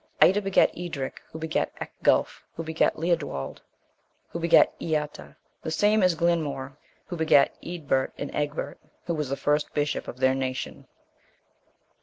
Ida begat Eadric, who begat Ecgulf, who begat Leodwald, who begat Eata, the same is Glinmaur, who begat Eadbert and Egbert, who was the first bishop of their nation.